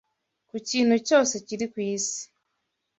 Ku kintu cyose kiri ku isi